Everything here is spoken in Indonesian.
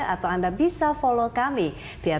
atau anda bisa follow kami via